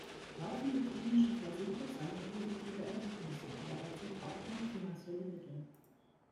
Laufende klinische Versuche zeigen positive Ergebnisse, aber dazu braucht man finanzielle Mittel.